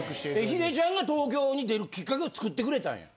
ヒデちゃんが東京に出るきっかけを作ってくれたんや。